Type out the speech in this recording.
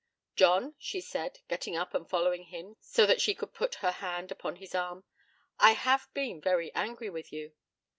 'John,' she said, getting up and following him so that she could put her hand upon his arm, 'I have been very angry with you.'